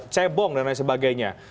cebong dan lain sebagainya